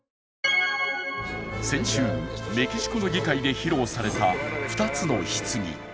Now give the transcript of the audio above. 先週、メキシコの議会で披露された２つのひつぎ。